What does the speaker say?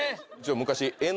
昔。